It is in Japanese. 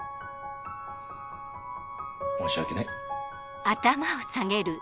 申し訳ない。